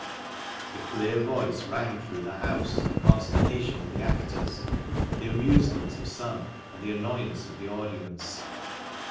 The clear voice rang through the house to the consternation of the actors, the amusement of some, and the annoyance of the audience.